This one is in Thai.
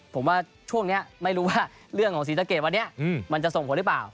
ผมว่าช่วงนี้ไม่รู้ว่าเรื่องของศรีสะเกดวันนี้มันจะส่งผลหรือเปล่า